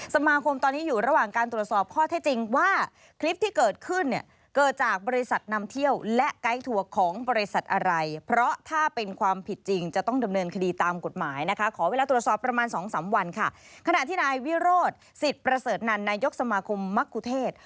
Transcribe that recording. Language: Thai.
สิทธิ์ประเสริฐนั้นนายยกสมาคมมรรคุเทศ